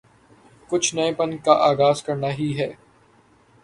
کچھ نئے پن کا آغاز کرنا ہی ہے۔